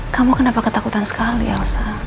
kamu kenapa ketakutan sekali elsa